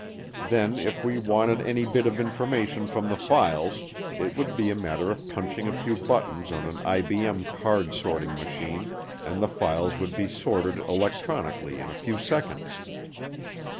Then if we wanted any bit of information from the files, it would be a matter of punching a few buttons on an IBM card sorting machine, and the files would be sorted electronically in a few seconds.